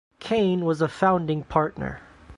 Cain was a founding partner.